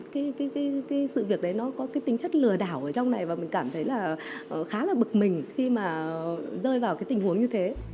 cái sự việc đấy nó có cái tính chất lừa đảo ở trong này và mình cảm thấy là khá là bực mình khi mà rơi vào cái tình huống như thế